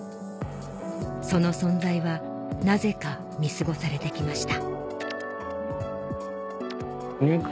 その存在はなぜか見過ごされて来ました